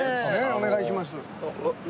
お願いします。